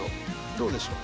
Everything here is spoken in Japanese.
どうでしょう？